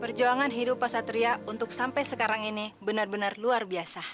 perjuangan hidup pak satria untuk sampai sekarang ini benar benar luar biasa